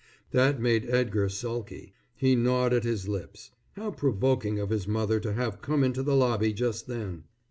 That made Edgar sulky. He gnawed at his lips. How provoking of his mother to have come into the lobby just then!